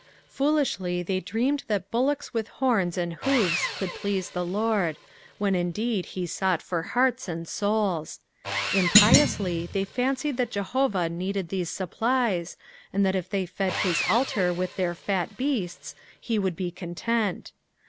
Foolishly they dreamed that bullocks with horns and hoofs could please the Lord, when indeed he sought for hearts aad souls. Impiously they fancied that Jehovah needed these sunpliea, and that if they fed hia altar with their fat beaats, lie would be content.